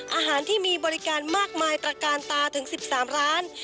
อาหารที่มีบริการมากมายตระกาลตาถึง๑๓ร้าน